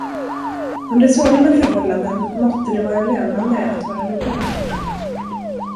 Under sådana förhållanden måtte det vara lönande att vara reporter.